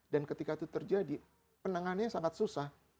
dan ketika itu terjadi penangannya sangat susah